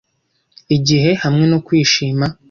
igihe, hamwe no kwishima